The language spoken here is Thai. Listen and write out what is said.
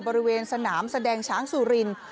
บริเวณสนามแสดงช้างสุรินทร์